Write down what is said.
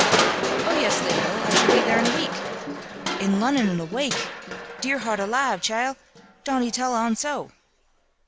"Oh yes, they will. I shall be there in a week." "In Lonnon in a wake! Dear heart alaive, cheel, dont'e tell on so!"